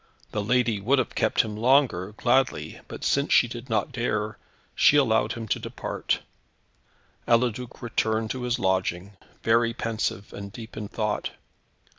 The lady would have kept him longer gladly, but since she did not dare, she allowed him to depart. Eliduc returned to his lodging, very pensive and deep in thought.